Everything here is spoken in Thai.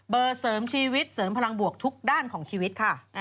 เสริมชีวิตเสริมพลังบวกทุกด้านของชีวิตค่ะ